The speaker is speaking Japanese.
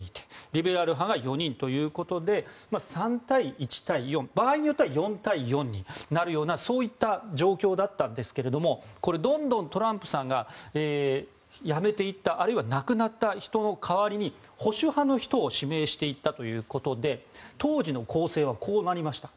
そして、中道保守派が１人いてリベラル派が４人ということで３対１対４、場合によっては４対４になるようなそういった状況だったんですがこれ、どんどんトランプさんが辞めていったあるいは亡くなった人の代わりに保守派の人を指名していったということで当時の構成はこうなりました。